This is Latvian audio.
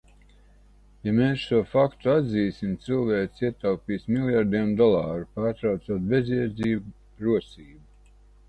Ja mēs šo faktu atzīsim, cilvēce ietaupīs miljardiem dolāru, pārtraucot bezjēdzīgu rosību.